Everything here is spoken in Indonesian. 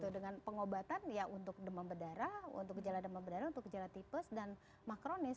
dengan pengobatan ya untuk demam berdarah untuk gejala demam berdarah untuk gejala tipis dan makronis